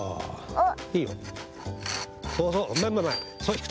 あっ。